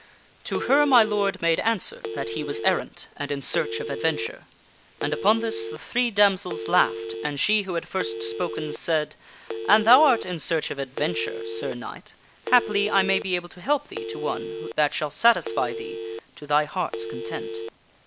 " To her my lord made answer that he was errant and in search of ad venture, and upon this, the three damsels laughed, and she who had first spoken said, ' An thou art in search of adventure, Sir Knight, happily I may be able to help thee to one that shall satisfy thee to thy heart's con tent.'